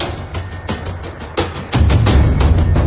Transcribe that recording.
แล้วก็พอเล่ากับเขาก็คอยจับอย่างนี้ครับ